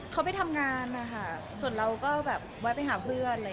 เขาไปทำงานส่วนเราก็แบบไว้ไปหาเพื่อนเลย